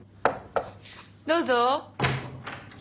どうぞ。